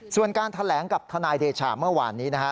ส่วนการแถลงกับทนายเดชาเมื่อวานนี้นะฮะ